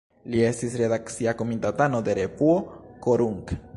Li estis redakcia komitatano de revuo "Korunk".